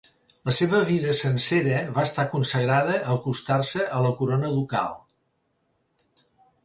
La seva vida sencera va estar consagrada a acostar-se a la corona ducal.